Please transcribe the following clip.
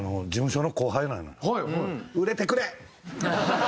売れてくれ！